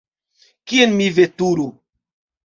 Kien mi veturu?